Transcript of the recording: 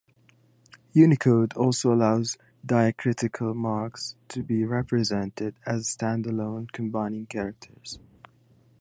Unicode also allows diacritical marks to be represented as standalone combining characters.